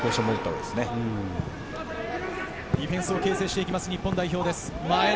ディフェンスを形成していく日本代表です。